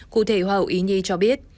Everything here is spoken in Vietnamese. cụ thể hoa hậu ý nhi cho biết